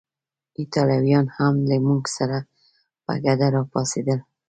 ایټالویان هم له موږ سره په ګډه راپاڅېدل.